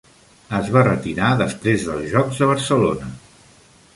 Es va retirar després dels jocs de Barcelona.